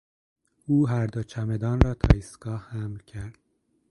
او هر دو چمدان را تا ایستگاه حمل کرد.